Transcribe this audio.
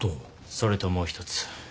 それともう一つ。